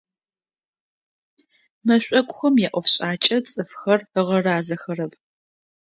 Мэшӏокухэм яӏофшӏакӏэ цӏыфхэр ыгъэразэхэрэп.